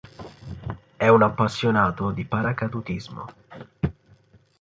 È un appassionato di paracadutismo.